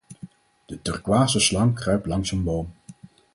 De turquoise slang kruipt langs een boom.